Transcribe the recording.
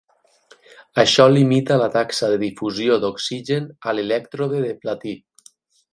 Això limita la taxa de difusió d'oxigen a l'elèctrode de platí.